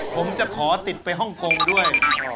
ผมจะขอติดไปฮ่องกงด้วย